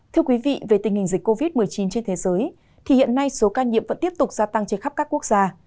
thưa quý vị về tình hình dịch covid một mươi chín trên thế giới thì hiện nay số ca nhiễm vẫn tiếp tục gia tăng trên khắp các quốc gia